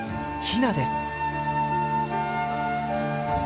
ヒナです。